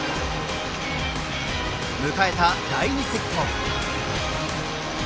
迎えた第２セット。